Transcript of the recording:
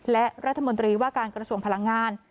และรัฐมนตรีว่าการกระทรวงพลังงาน